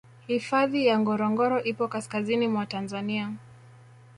hifadhi ya ngorongoro ipo kaskazini mwa tanzania